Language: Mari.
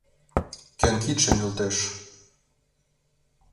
Кӧн кидше нӧлтеш!